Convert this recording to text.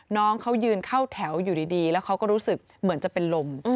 น้องเขายืนเข้าแถวอยู่ดีแล้วเขาก็รู้สึกเหมือนจะเป็นลม